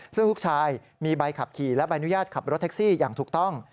ซึ่งลูกชายมีใบขับขี่และใบอนุญาตขับรถแท็กซี่อย่างถูกต้อง